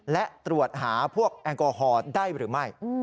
และตรวจหาพวกแอลกอฮอล์ได้หรือไม่